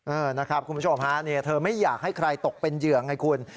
เออนะครับคุณผู้ชมฮะเธอไม่อยากให้ใครตกเป็นเหยื่อไงคุณ